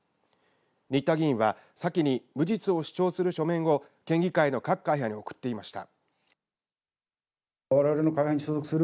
仁田議員は先に無実を主張する書面を県議会の各会派に送っていました。